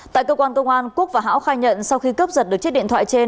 tại cơ quan công an quốc và ho khai nhận sau khi cướp giật được chiếc điện thoại trên